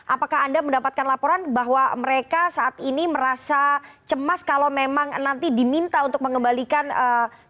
apakah anda mendapatkan laporan bahwa mereka saat ini merasa cemas kalau memang nanti diminta untuk mengembalikan